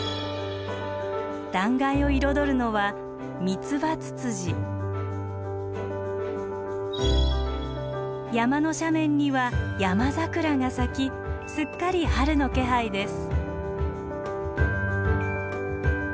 断崖を彩るのは山の斜面にはヤマザクラが咲きすっかり春の気配です。